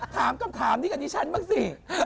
ถามก็ถามดีกันจากนี้ฉันมากสิ